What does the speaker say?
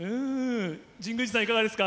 神宮寺さん、いかがですか？